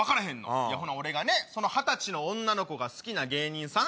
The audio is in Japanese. ほな俺が二十歳の女の子が好きな芸人さん